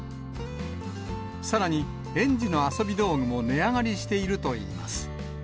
さらに、園児の遊び道具も値上がりしているといいます。